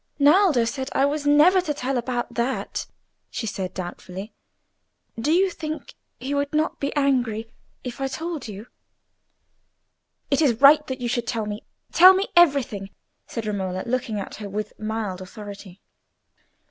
"Naldo said I was never to tell about that," she said, doubtfully. "Do you think he would not be angry if I told you?" "It is right that you should tell me. Tell me everything," said Romola, looking at her with mild authority.